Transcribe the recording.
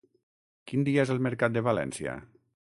Quin dia és el mercat de València?